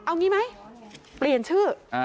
เอางี้ไหมเปลี่ยนชื่อ